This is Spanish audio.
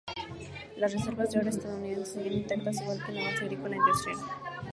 Las reservas de oro estadounidenses seguían intactas, igual que la base agrícola e industrial.